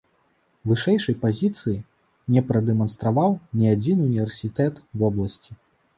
Вышэйшай пазіцыі не прадэманстраваў ні адзін універсітэт вобласці.